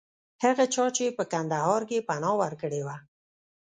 هغه چا چې په کندهار کې پناه ورکړې وه.